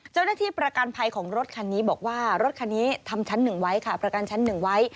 เจ้าหน้าที่ประกันภัยของรถคันนี้บอกว่ารถคันนี้ทำชั้น๑ไว้ค่ะประกันชั้นหนึ่งไว้